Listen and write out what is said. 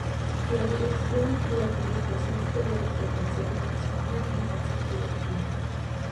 La dirección y administración superiores del Consejo corresponden a un Consejo Directivo.